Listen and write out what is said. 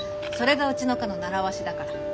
それがうちの課の習わしだから。